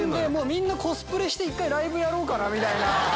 みんなコスプレして１回ライブやろうかみたいな。